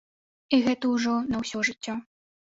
І гэта ўжо на ўсё жыццё.